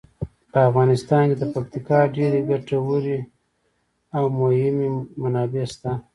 په افغانستان کې د پکتیکا ډیرې ګټورې او مهمې منابع شته.